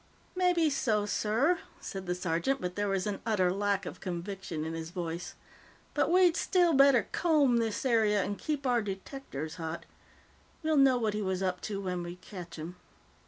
"Maybe so, sir," said the sergeant, but there was an utter lack of conviction in his voice. "But we'd still better comb this area and keep our detectors hot. We'll know what he was up to when we catch him."